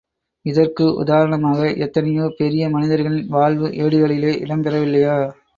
இதற்கு உதாரணமாக, எத்தனையோ பெரிய மனிதர்களின் வாழ்வு ஏடுகளிலே இடம் பெறவில்லையா?